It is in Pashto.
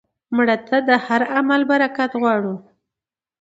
مړه ته د هر عمل برکت غواړو